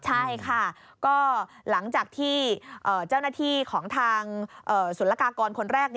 ใช่ค่ะก็หลังจากที่เจ้าหน้าที่ของทางศูนย์ละกากรคนแรก